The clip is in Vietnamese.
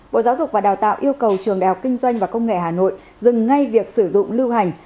bộ giáo dục và đào tạo yêu cầu trường đại học kinh doanh và công nghệ hà nội dừng ngay việc sử dụng lưu hành